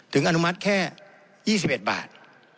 อนุมัติแค่๒๑บาท